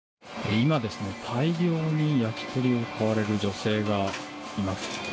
今、大量に焼き鳥を買われる女性がいます。